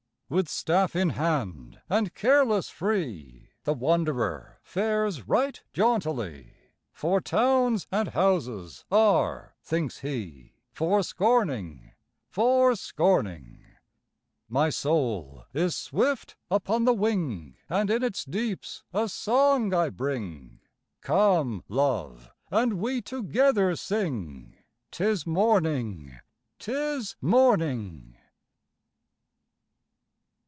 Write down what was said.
With staff in hand and careless free, The wanderer fares right jauntily, For towns and houses are, thinks he, For scorning, for scorning. My soul is swift upon the wing, And in its deeps a song I bring; Come, Love, and we together sing, "'Tis morning, 'tis morning."